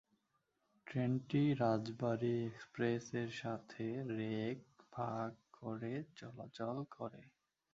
ট্রেনটি রাজবাড়ী এক্সপ্রেস এর সাথে রেক ভাগ করে চলাচল করে।